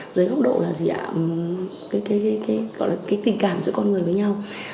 dưới góc độ là gì ạ tình cảm giữa con người với nhau